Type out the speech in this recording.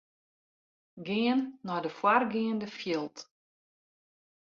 Gean nei de foargeande fjild.